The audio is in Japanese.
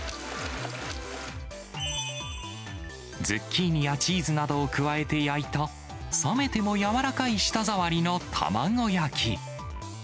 ズッキーニやチーズなどを加えて焼いた、冷めても柔らかい舌触りの卵焼き。